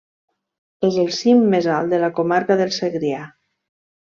És el cim més alt de la comarca del Segrià.